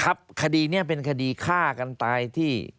คดีนี้เป็นคดีฆ่ากันตายที่